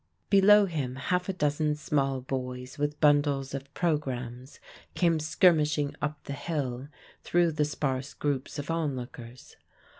Below him half a dozen small boys with bundles of programmes came skirmishing up the hill through the sparse groups of onlookers.